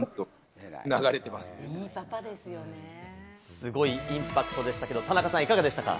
すごいインパクトでしたけれども、田中さん、いかがでしたか？